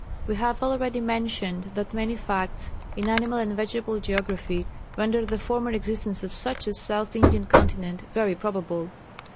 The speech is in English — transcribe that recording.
We have already mentioned that many facts in animal and vegetable geography render the former existence of such a South Indian continent very probable.